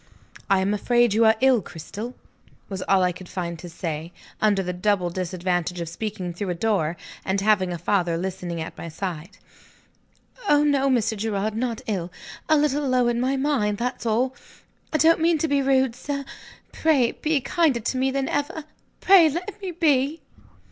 "I am afraid you are ill, Cristel?" was all I could find to say, under the double disadvantage of speaking through a door, and having a father listening at my side. "Oh no, Mr. Gerard, not ill. A little low in my mind, that's all. I don't mean to be rude, sir pray be kinder to me than ever! pray let me be!"